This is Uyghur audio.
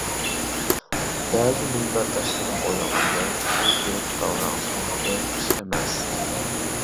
بەزى مۇنبەرداشلىرىم ئويلىغاندەك بۇ بىر داۋراڭ سالغىدەك ئىش ئەمەس.